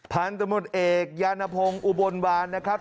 พันธุ์ตมุสแอกยานโภงอุบลบ้านนะครับ